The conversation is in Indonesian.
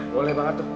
boleh banget tuh